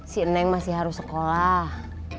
si neng masih harus sekolah